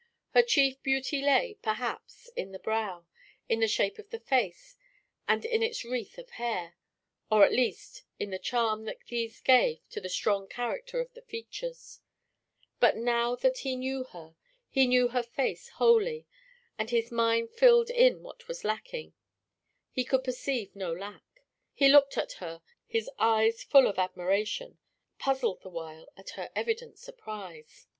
Her chief beauty lay, perhaps, in the brow, in the shape of the face, and in its wreath of hair or at least in the charm that these gave to the strong character of the features; but now that he knew her, he knew her face wholly, and his mind filled in what was lacking; he could perceive no lack. He looked at her, his eyes full of admiration, puzzled the while at her evident surprise.